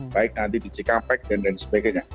baik nanti di cikampek dan lain sebagainya